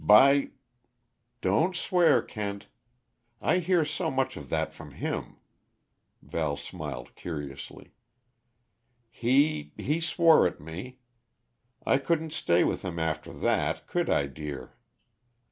By " "Don't swear, Kent I hear so much of that from him!" Val smiled curiously. "He he swore at me. I couldn't stay with him, after that could I, dear?"